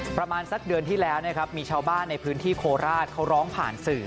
ประมาณสักเดือนที่แล้วนะครับมีชาวบ้านในพื้นที่โคราชเขาร้องผ่านสื่อ